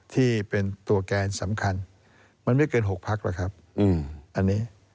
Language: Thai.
ที่เป็นตัวแกนสำคัญมันไม่เกิน๖พักหรอกครับอันนี้